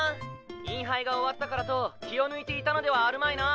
インハイが終わったからと気を抜いていたのではあるまいな？